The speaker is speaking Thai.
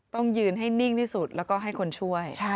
ต้องยืนให้นิ่งที่สุดแล้วก็ให้คนช่วย